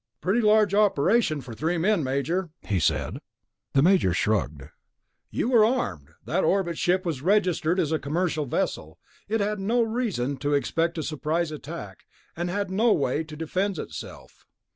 "Pretty large operation for three men, Major," he said. The Major shrugged. "You were armed. That orbit ship was registered as a commercial vessel. It had no reason to expect a surprise attack, and had no way to defend itself."